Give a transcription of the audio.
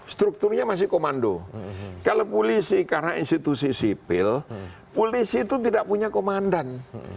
strukturnya masih komando kalau polisi karena institusi sipil polisi itu tidak punya komandan